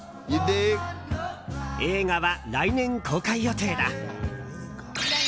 映画は来年公開予定だ。